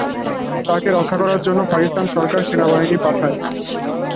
তাঁকে রক্ষা করার জন্যে পাকিস্তান সরকার সেনাবাহিনী পাঠায়।